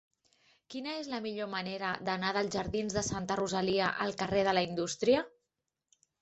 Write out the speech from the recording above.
Quina és la millor manera d'anar dels jardins de Santa Rosalia al carrer de la Indústria?